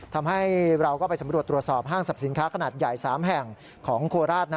ทำให้เราก็ไปสำรวจตรวจสอบห้างสรรพสินค้าขนาดใหญ่๓แห่งของโคราช